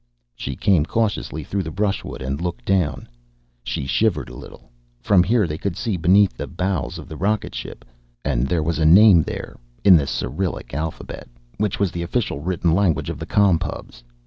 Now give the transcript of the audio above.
She came cautiously through the brushwood and looked down. She shivered a little. From here they could see beneath the bows of the rocket ship. And there was a name there, in the Cyrillic alphabet which was the official written language of the Com Pubs.